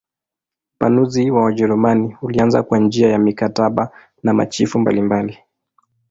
Upanuzi wa Wajerumani ulianza kwa njia ya mikataba na machifu mbalimbali.